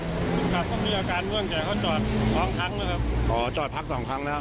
คนขับก็มีอาการง่วงแต่ก็จอด๒ครั้ง